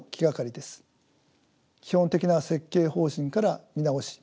基本的な設計方針から見直し